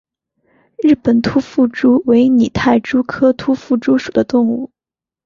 日本突腹蛛为拟态蛛科突腹蛛属的动物。